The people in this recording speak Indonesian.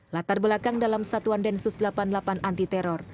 latar belakang dalam satuan densus delapan puluh delapan anti teror